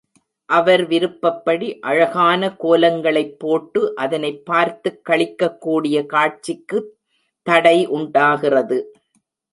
அவர் விருப்பப்படி அழகான கோலங்களைப் போட்டு அதனைப் பார்த்துக் களிக்கக் கூடிய காட்சிக்குத் தடை உண்டாகிறது.